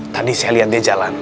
tadi saya lihat dia jalan